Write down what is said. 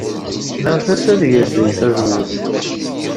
Tennamt-as ad yeldey tazewwut.